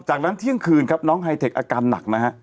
จากนั้นเที่ยงคืนครับน้องไฮเทคอาการหนักนะฮะ